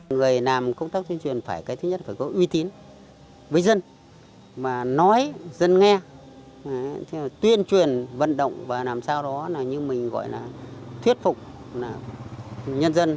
người làm công tác tuyên truyền phải cái thứ nhất phải có uy tín với dân mà nói dân nghe tuyên truyền vận động và làm sao đó là như mình gọi là thuyết phục nhân dân